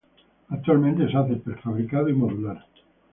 Actualmente se hace prefabricado y modular.